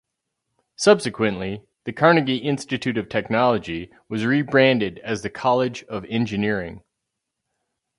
Subsequently, the Carnegie Institute of Technology was re-branded as the College of Engineering.